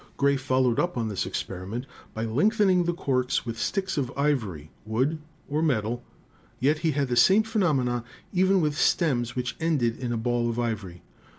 Gray followed up this experiment by lengthening the corks with sticks of ivory, wood or metal, yet he had the same phenomena even with stems which ended in a ball of ivory.